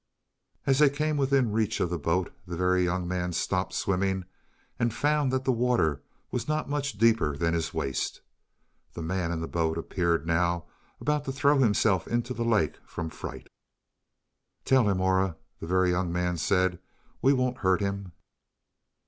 As they came within reach of the boat the Very Young Man stopped swimming and found that the water was not much deeper than his waist. The man in the boat appeared now about to throw himself into the lake from fright. "Tell him, Aura," the Very Young Man said. "We won't hurt him."